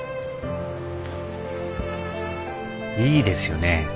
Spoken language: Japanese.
いいですよね